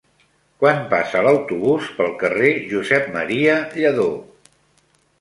Quan passa l'autobús pel carrer Josep M. Lladó?